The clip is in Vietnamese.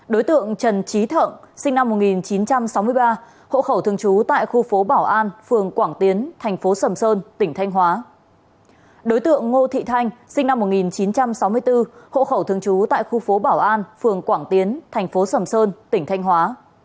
đối tượng ngo thị thanh sinh năm một nghìn chín trăm sáu mươi bốn hộ khẩu thường trú tại khu phố bảo an phường quảng tiến thành phố sầm sơn tỉnh thanh hóa